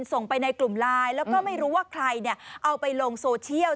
ส่งไปในกลุ่มไลน์แล้วก็ไม่รู้ว่าใครเอาไปลงโซเชียล